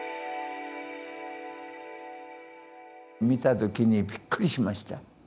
見た時にびっくりしました。